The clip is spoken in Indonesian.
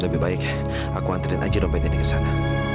lebih baik aku antri aja dompet ini ke sana